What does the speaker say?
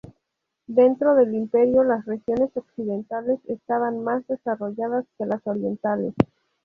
Dentro del Imperio las regiones occidentales estaban más desarrolladas que las orientales.